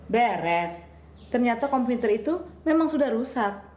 beres ternyata komputer itu memang sudah rusak